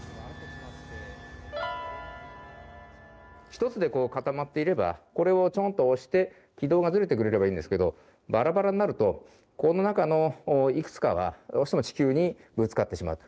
一つでこう固まっていればこれをちょんと押して軌道がずれてくれればいいんですけどばらばらになるとこの中のいくつかはどうしても地球にぶつかってしまう。